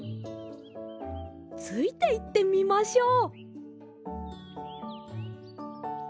ついていってみましょう。